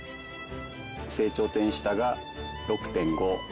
成長点下が６．５。